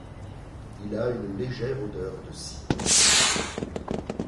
Il a une légère odeur de cire.